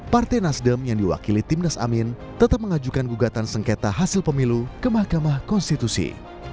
partai nasdem yang diwakili timnas amin tetap mengajukan gugatan sengketa hasil pemilu ke mahkamah konstitusi